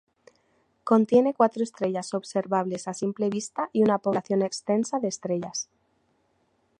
Contiene cuatro estrellas observables a simple vista y una población extensa de estrellas.